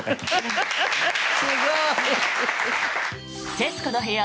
「徹子の部屋」